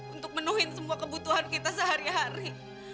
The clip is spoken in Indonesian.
untuk menuhi semua kebutuhan kita sehari hari